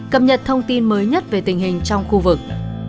cập nhật thông tin mới nhất về tình hình trong khu vực